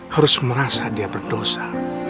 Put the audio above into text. harus merasa dia berdosa